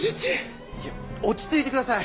落ち着いてください。